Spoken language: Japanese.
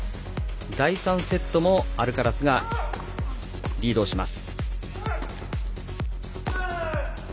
第３セットもアルカラスがリードします。